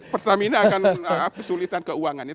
pertamina akan kesulitan keuangannya